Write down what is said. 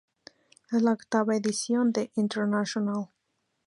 Es la octava edición de The International.